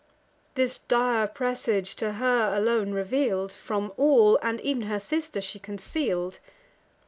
This dire presage, to her alone reveal'd, From all, and ev'n her sister, she conceal'd.